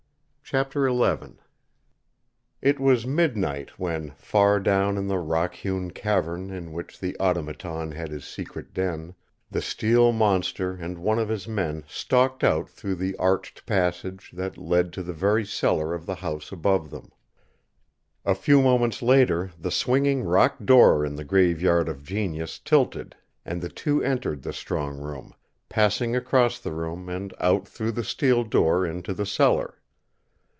CHAPTER XI It was midnight when, far down in the rock hewn cavern in which the Automaton had his secret den, the steel monster and one of his men stalked out through the arched passage that led to the very cellar of the house above them. A few moments later the swinging rock door in the Graveyard of Genius tilted and the two entered the strong room, passing across the room and out through the steel door into the cellar.